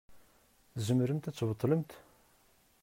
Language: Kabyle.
Tzemremt ad tbeṭlemt?